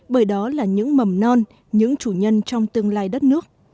bởi đó là những mầm non những chủ nhân trong tương lai đất nước